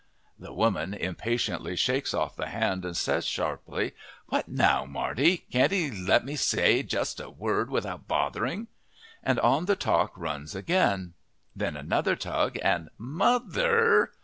The woman impatiently shakes off the hand and says sharply, "What now, Marty! Can't 'ee let me say just a word without bothering!" and on the talk runs again; then another tug and "Mother!"